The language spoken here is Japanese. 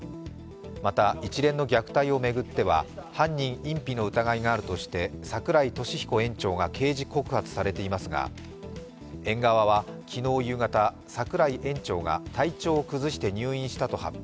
また、一連の虐待を巡っては犯人隠避の疑いがあるとして櫻井利彦園長が刑事告発されていますが、園側は昨日夕方櫻井園長が体調を崩して入院したと発表。